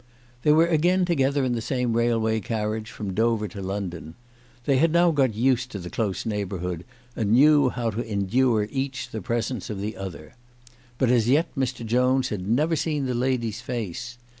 They were again together in the same railway carriage from Dover to London. They had now got used to the close neighbourhood, and knew how to endure each the presence of the other. But as yet Mr. Jones had never seen the lady's face.